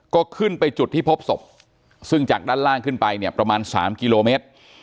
ก็ขึ้นไปจุดที่พบศพซึ่งจากด้านล่างขึ้นไปเนี่ยประมาณ๓กิโลเมตร